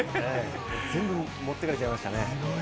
全部持ってかれちゃいましたね。